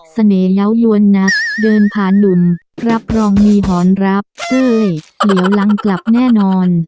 เยาว์ยวนนักเดินผ่านหนุ่มรับรองมีหอนรับเอ้ยเหลียวหลังกลับแน่นอน